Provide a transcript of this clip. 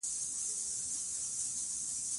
هوا د افغانستان د جغرافیوي تنوع مثال دی.